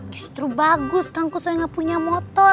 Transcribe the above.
justru bagus kangkusoy nggak punya motor